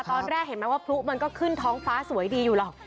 ตอนแรกเห็นไหมว่าพลุมันก็ขึ้นท้องฟ้าสวยดีอยู่หรอก